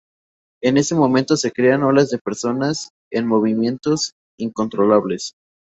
En ese momento se crean olas de personas en movimiento incontrolables.